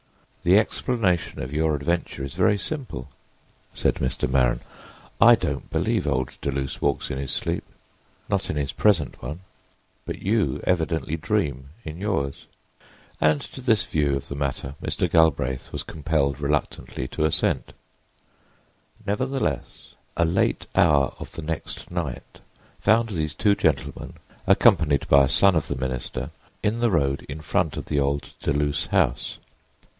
"The explanation of your adventure is very simple," said Mr. Maren. "I don't believe old Deluse walks in his sleep—not in his present one; but you evidently dream in yours." And to this view of the matter Mr. Galbraith was compelled reluctantly to assent. Nevertheless, a late hour of the next night found these two gentlemen, accompanied by a son of the minister, in the road in front of the old Deluse house.